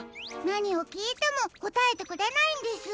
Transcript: なにをきいてもこたえてくれないんです。